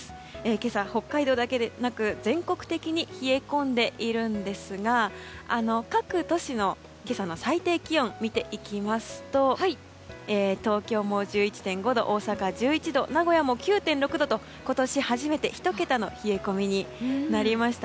今朝、北海道だけでなく全国的に冷え込んでいるんですが各都市の今朝の最低気温を見ていきますと東京も１１．５度大阪、１１度名古屋も９．６度と今年初めて１桁の冷え込みになりました。